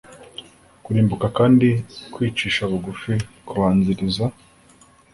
Kurimbuka kandi kwicisha bugufi kubanziriza